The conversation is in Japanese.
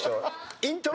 イントロ。